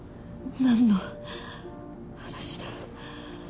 何の話だ。